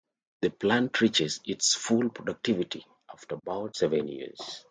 The plant reaches its full productivity after about seven years.